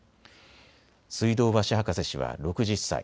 水道橋博士氏は６０歳。